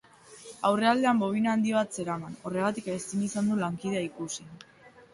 Aurrealdean bobina handi bat zeraman, horregatik ezin izan du lankidea ikusi.